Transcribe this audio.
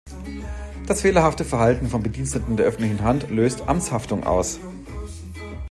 Das fehlerhafte Verhalten von Bediensteten der öffentlichen Hand löst Amtshaftung aus.